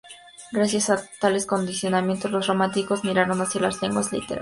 Gracias a tales condicionamientos, los románticos miraron hacia las lenguas y literaturas clásicas.